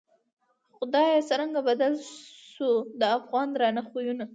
خدایه څرنگه بدل شوو، د افغان درانه خویونه